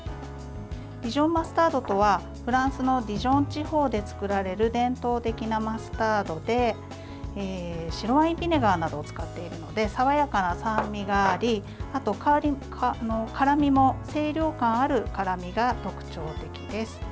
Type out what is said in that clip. ディジョンマスタードとはフランスのディジョン地方で作られる伝統的なマスタードで白ワインビネガーなどを使っているので爽やかな酸味があり、あと辛みも清涼感ある辛みが特徴的です。